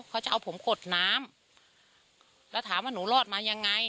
เขาจะเอาผมกดน้ำแล้วถามว่าหนูรอดมายังไง